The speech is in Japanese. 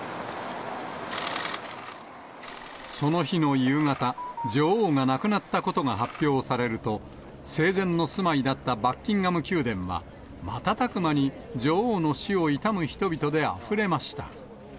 その日の夕方、女王が亡くなったことが発表されると、生前の住まいだったバッキンガム宮殿は、瞬く間に女王の死を悼む人々であふれました。